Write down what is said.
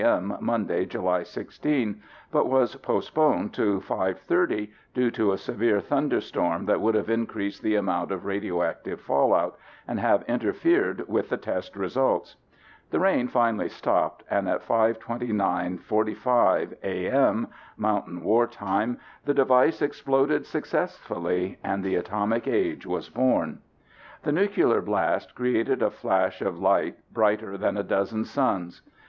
m., Monday July 16, but was postponed to 5:30 due to a severe thunderstorm that would have increased the amount of radioactive fallout, and have interfered with the test results. The rain finally stopped and at 5:29:45 a.m. Mountain War Time, the device exploded successfully and the Atomic Age was born. The nuclear blast created a flash of light brighter than a dozen suns.